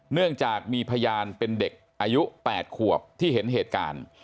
เนื่องจากมีพยานเป็นเด็กอายุ๘ขวบที่เห็นเหตุการณ์